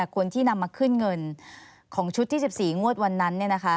คนที่นำมาขึ้นเงินของชุดที่๑๔งวดวันนั้น